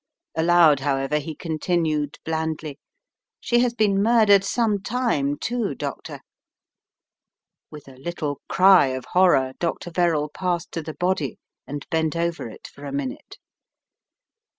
Aloud, however, he continued blandly: "She has been murdered some time, too, Doctor " With a little cry of horror, Dr. Verrall passed to the body and bent over it for a minute.